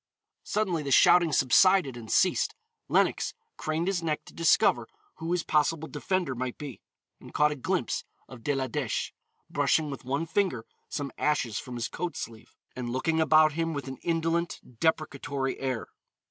_" Suddenly the shouting subsided and ceased. Lenox craned his neck to discover who his possible defender might be, and caught a glimpse of De la Dèche, brushing with one finger some ashes from his coat sleeve, and looking about him with an indolent, deprecatory air.